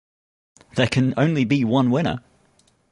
There can be only one winner!